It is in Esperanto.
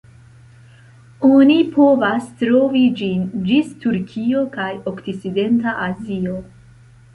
Oni povas trovi ĝin ĝis Turkio kaj okcidenta Azio.